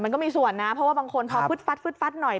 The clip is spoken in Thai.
มันก็มีส่วนนะเพราะว่าบางคนพอฟึดฟัดฟึดหน่อย